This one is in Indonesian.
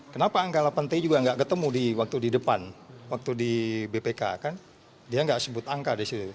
kenapa angka delapan t juga gak ketemu waktu di depan waktu di bpk kan dia gak sebut angka disitu